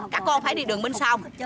các con phải đi đường bên sau